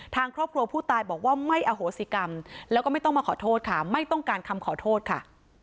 ทางครอบครัวผู้ตายบอกว่าไม่อโหสิกรรมแล้วก็ไม่ต้องมาขอโทษค่ะไม่ต้องการคำขอโทษค่ะ